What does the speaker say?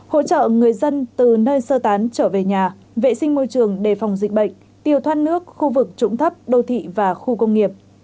hỗ trợ người dân từ nơi sơ tán trở về nhà vệ sinh môi trường đề phòng dịch bệnh tiêu thoát nước khu vực trũng thấp đô thị và khu công nghiệp